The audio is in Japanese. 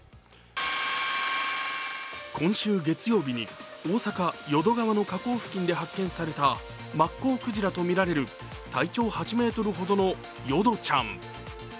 今週月曜日に大阪・淀川の河口付近で発見されたマッコウクジラとみられる体長８ｍほどのヨドちゃん。